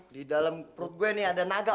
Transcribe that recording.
di dalam perut gue ini ada naga